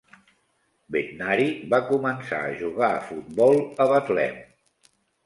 Bednarik va començar a jugar a futbol a Betlem.